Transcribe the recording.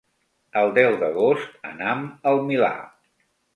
El deu d'agost anam al Milà.